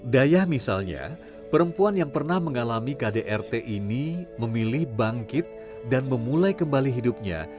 dayah misalnya perempuan yang pernah mengalami kdrt ini memilih bangkit dan memulai kembali hidupnya